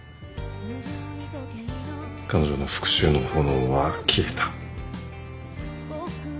彼女の復讐の炎は消えた。